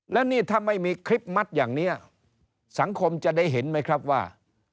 แล้วนี่ถ้าไม่มีคลิปมัดอย่างนี้สังคมจะได้เห็นไหมครับว่า